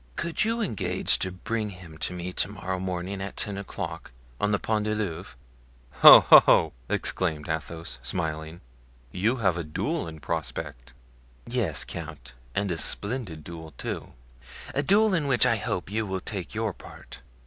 "Could you engage to bring him to me to morrow morning at ten o'clock, on the Pont du Louvre?" "Oh, oh!" exclaimed Athos, smiling, "you have a duel in prospect." "Yes, count, and a splendid duel, too; a duel in which I hope you will take your part."